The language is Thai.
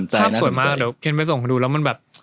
ภาพสวยมากเดี๋ยวเคนไปส่งดูแล้วมันแบบ